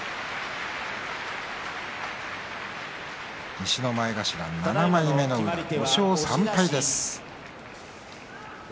西の前頭７枚目、宇良５勝３敗です。